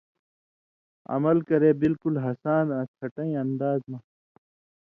عمل کرے بالکل ہَسان آں کھٹَیں انداز مہ